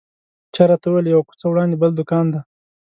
چا راته وویل یوه کوڅه وړاندې بل دوکان دی.